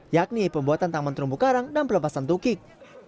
yakni pembuatan taman terumbu karang dan pelepasan tukik